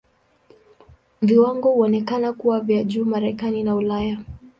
Viwango huonekana kuwa vya juu Marekani na Ulaya.